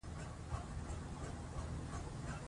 د هغې نوم به تل یادېږي.